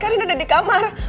karin ada di kamar